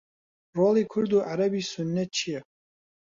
ڕۆڵی کورد و عەرەبی سوننە چییە؟